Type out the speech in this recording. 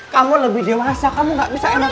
kamu lebih dewasa kamu gak bisa enak